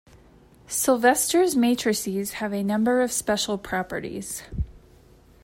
Sylvester's matrices have a number of special properties.